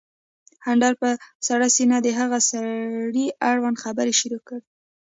اندړ په سړه سينه د هغه سړي اړوند خبرې شروع کړې